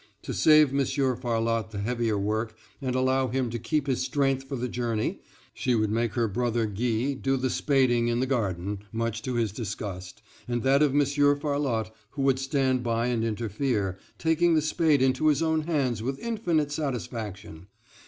To save Monsieur Farlotte the heavier work, and allow him to keep his strength for the journey, she would make her brother Guy do the spading in the garden, much to his disgust, and that of Monsieur Farlotte, who would stand by and interfere, taking the spade into his own hands with infinite satisfaction.